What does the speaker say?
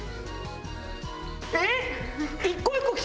えっ！？